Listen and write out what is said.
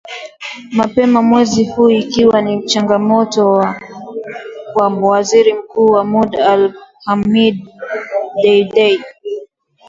mapema mwezi huu ikiwa ni changamoto kwa Waziri Mkuu wa muda Abdulhamid Dbeibah